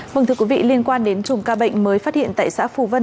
vâng thưa quý vị liên quan đến chùm ca bệnh mới phát hiện tại xã phù vân